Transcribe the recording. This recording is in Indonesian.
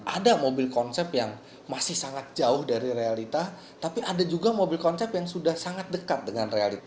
ada mobil konsep yang masih sangat jauh dari realita tapi ada juga mobil konsep yang sudah sangat dekat dengan realita